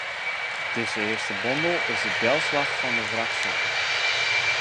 Dizze earste bondel is de delslach fan de wrakseling.